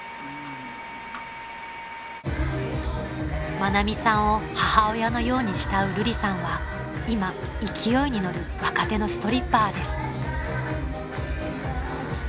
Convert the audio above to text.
［愛美さんを母親のように慕うるりさんは今勢いに乗る若手のストリッパーです］